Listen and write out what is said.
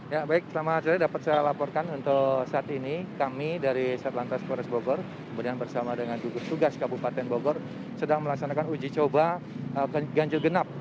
ya baik selamat sore dapat saya laporkan untuk saat ini kami dari satlantas polres bogor kemudian bersama dengan gugus tugas kabupaten bogor sedang melaksanakan uji coba ganjil genap